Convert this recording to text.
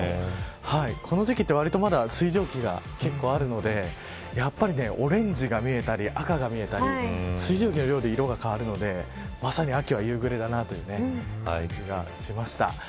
この時期ってわりとまだ水蒸気が結構あるのでオレンジが見えたり赤が見えたり水蒸気の量で色が変わるのでまさに秋は夕暮れだなって感じがしました。